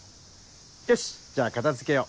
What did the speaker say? よしじゃあ片付けよう。